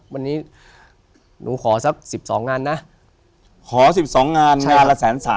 วันหนึ่งหรอ